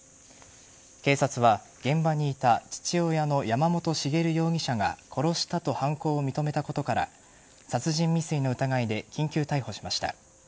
警察は、現場にいた父親の山本茂容疑者が殺したと犯行を認めたことから殺人未遂の疑いで緊急逮捕しました。